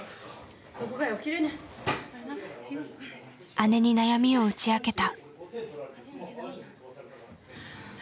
姉に悩みを打ち明けた。